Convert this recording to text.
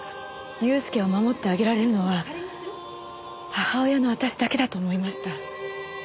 祐介を守ってあげられるのは母親の私だけだと思いました。